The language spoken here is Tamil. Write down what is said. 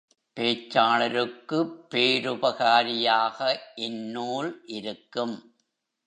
பேச்சாளருக்குப் பேருபகாரியாக இந்நூல் இருக்கும்.